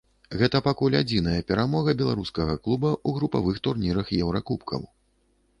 Гэта пакуль адзіная перамога беларускага клуба ў групавых турнірах еўракубкаў.